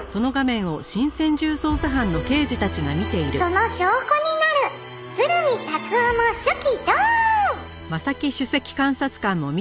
「その証拠になる鶴見達男の手記ドーン！」